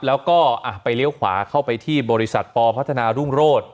แล้วก็ไปเลี้ยวขวาเข้าไปที่บริษัทปพัฒนารุ่งโรธ